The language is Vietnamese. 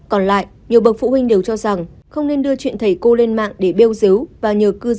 còn lại nhiều bậc phụ huynh đều cho rằng không nên đưa chuyện thầy cô lên mạng để bêu dấu và nhờ cư dân mạng phân xử